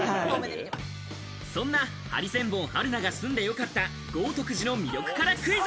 そんなハリセンボン・春菜が住んで良かった豪徳寺の魅力からクイズ。